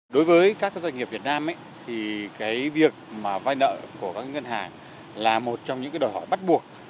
đối với các doanh nghiệp việt nam việc vai nợ của các ngân hàng là một trong những đòi hỏi bắt buộc